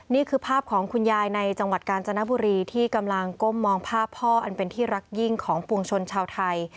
นี่คือภาพของคุณยายในจังหวัดกาญจนบุรีที่กำลังก้มมองภาพพ่ออันเป็นที่รักยิ่งของปวงชนชาวไทย